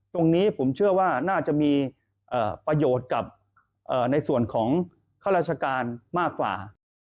ตรงนี้ผมเชื่อว่าน่าจะมีประโยชน์กับในส่วนของข้าราชการมากกว่า